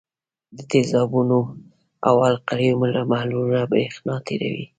د تیزابونو او القلیو محلولونه برېښنا تیروي.